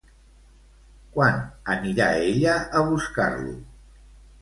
Quan anirà ella a buscar-lo?